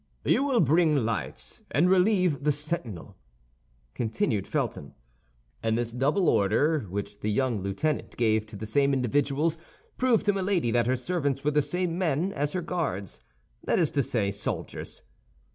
"You will bring lights, and relieve the sentinel," continued Felton. And this double order which the young lieutenant gave to the same individuals proved to Milady that her servants were the same men as her guards; that is to say, soldiers.